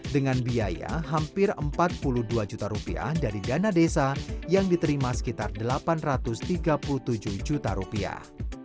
dengan biaya hampir empat puluh dua juta rupiah dari dana desa yang diterima sekitar delapan ratus tiga puluh tujuh juta rupiah